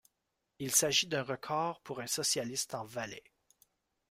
Il s’agit d’un record pour un socialiste en Valais.